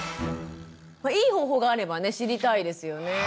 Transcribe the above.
いい方法があればね知りたいですよね。